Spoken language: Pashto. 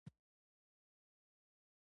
خلکو ډېر لږ زړه ښه کاوه چې ډالر بدل کړي.